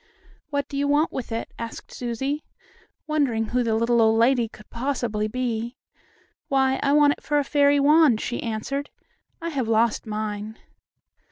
"What do you want with it?" asked Susie, wondering who the little old lady could possibly be. "Why, I want it for a fairy wand," she answered. "I have lost mine."